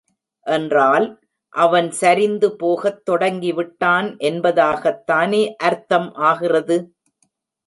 என்றால், அவன் சரிந்து போகத் தொடங்கி விட்டான் என்பதாகத் தானே அர்த்தம் ஆகிறது.